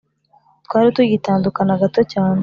Twari tugitandukana gato cyane